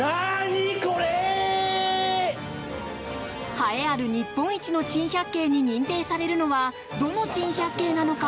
栄えある日本一の珍百景に認定されるのはどの珍百景なのか。